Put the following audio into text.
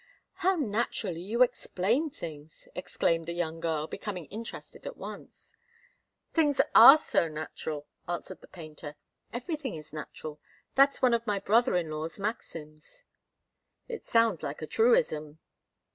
"How naturally you explain things!" exclaimed the young girl, becoming interested at once. "Things are so natural," answered the painter. "Everything is natural. That's one of my brother in law's maxims." "It sounds like a truism."